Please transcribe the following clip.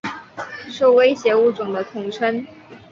受威胁物种的统称。